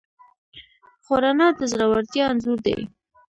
خو رڼا د زړورتیا انځور دی.